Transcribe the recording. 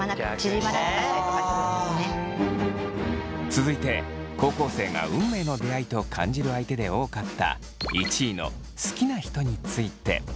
続いて高校生が運命の出会いと感じる相手で多かった１位の好きな人について。